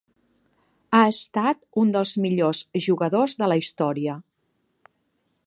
Ha estat un dels millors jugadors de la història.